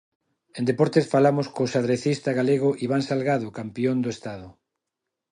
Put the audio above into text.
En Deportes falamos co xadrecista galego Iván Salgado, campión do Estado.